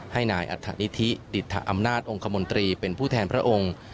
ให้นายอัฐนิธิดิตอำนาจองค์คมนตรีเป็นผู้แทนพระองค์